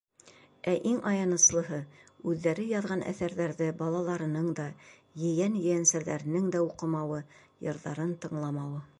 Ә иң аяныслыһы: үҙҙәре яҙған әҫәрҙәрҙе балаларының да, ейән-ейәнсәрҙәренең дә уҡымауы, йырҙарын тыңламауы.